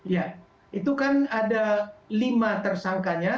ya itu kan ada lima tersangkanya